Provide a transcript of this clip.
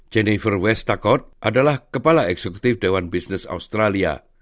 jennifer westakot adalah kepala eksekutif dewan bisnis australia